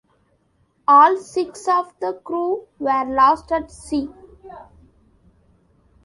All six of the crew were lost at sea.